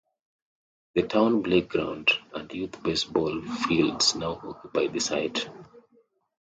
The town playground and youth baseball fields now occupy the site.